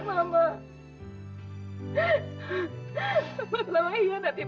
ma apa yang telah berlaku